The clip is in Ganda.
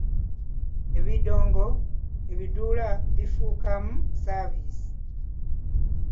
"Ebidongo, ebiduula bifuukamu “saaviisi”"